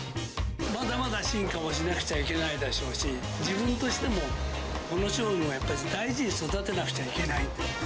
まだまだ進化をしなくちゃいけないでしょうし、自分としてもこの商品をやっぱし大事に育てなくちゃいけない。